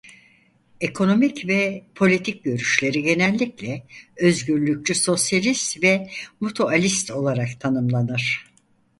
Ekonomik ve politik görüşleri genellikle özgürlükçü sosyalist ve mutualist olarak tanımlanır.